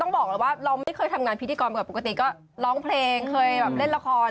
บอกเลยว่าเราไม่เคยทำงานพิธีกรแบบปกติก็ร้องเพลงเคยแบบเล่นละคร